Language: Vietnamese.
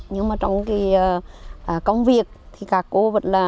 nhưng mà trong cái công việc thì các cô vẫn là